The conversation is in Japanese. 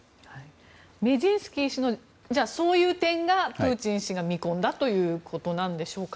メジンスキー氏のそういう点がプーチン氏が見込んだということでしょうか？